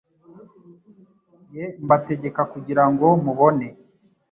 ye mbategeka kugira ngo mubone